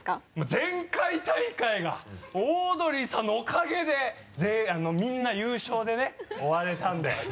前回大会がオードリーさんのおかげでみんな優勝でね終われたんで。